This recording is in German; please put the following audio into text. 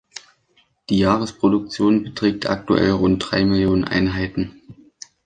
Die Jahresproduktion beträgt aktuell rund drei Millionen Einheiten.